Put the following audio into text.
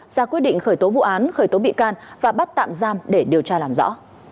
ra quyết định khởi tố vụ án khởi tố bị can và bắt tạm giam để điều tra làm rõ